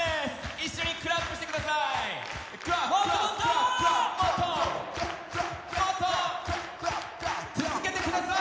一緒にクラップしてください！